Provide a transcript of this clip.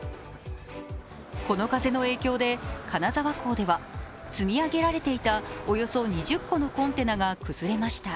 この風の影響で金沢港では積み上げられていたおよそ２０個のコンテナが崩れました。